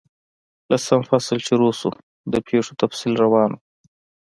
لسم فصل شروع شو، د پیښو تفصیل روان وو.